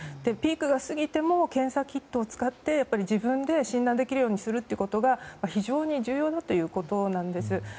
ピークが過ぎても検査キットを使って自分で診断できるようにすることが非常に重要だということなんです。